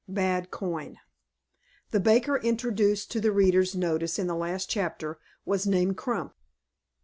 BAD COIN. THE baker introduced to the reader's notice in the last chapter was named Crump.